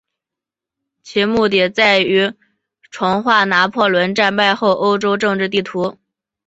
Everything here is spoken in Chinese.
其目的在于重画拿破仑战败后的欧洲政治地图。